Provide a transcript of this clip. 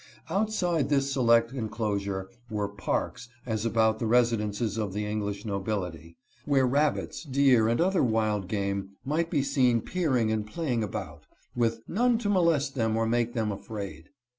Out SLAVE SUPERSTITION. 45 side this select enclosure were parks, as about the resi dences of the English nobility, where rabbits, deer, and other wild game might be seen peering and playing about, with " none to molest them or make them afraid."